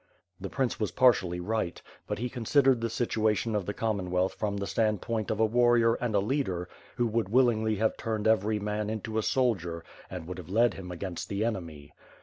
The prince was partially right, but he considered the situation of the Commonwealth from the standpoint of a warrior and a leader who would willingly have turned every man into a soldier and would have led him against the enemy.